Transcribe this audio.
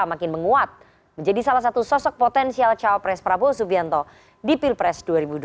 makin menguat menjadi salah satu sosok potensial cawapres prabowo subianto di pilpres dua ribu dua puluh